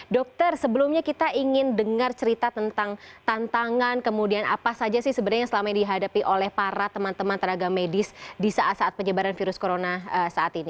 dokter sebelumnya kita ingin dengar cerita tentang tantangan kemudian apa saja sih sebenarnya yang selama ini dihadapi oleh para teman teman tenaga medis di saat saat penyebaran virus corona saat ini